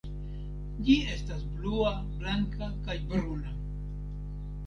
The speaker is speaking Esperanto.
Ĝi estas blua, blanka, kaj bruna.